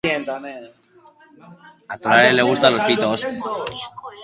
Hurbileko musikariek lagunduko diote, txistulariari kontzertua jantzi eta osatzen.